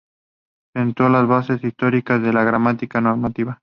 Sentó las bases históricas de la gramática normativa.